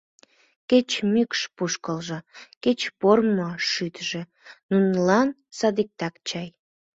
Кеч мӱкш пӱшкылжӧ, кеч пормо шӱтыжӧ — нунылан садиктак чай.